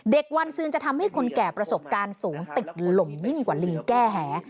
วันซืนจะทำให้คนแก่ประสบการณ์สูงติดลมยิ่งกว่าลิงแก้แห